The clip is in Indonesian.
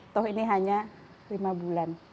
toh ini hanya lima bulan